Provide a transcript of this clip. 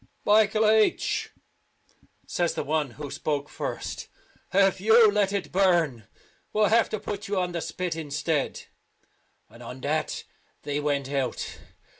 " Michael H ," says the one who spoke first, "if you let it burn we'll have to put you on the spit instead ;" and on that they went out.